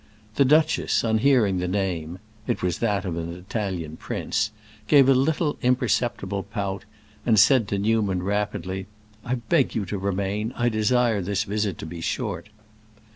The duchess, on hearing the name—it was that of an Italian prince—gave a little imperceptible pout, and said to Newman, rapidly: "I beg you to remain; I desire this visit to be short."